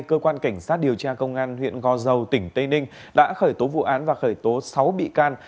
cảnh sát điều tra công an huyện go dầu tỉnh tây ninh đã khởi tố vụ án và khởi tố sáu bị can